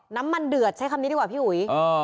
น้ำมันเดือดใช้คำนี้ดีกว่าพี่อุ๋ย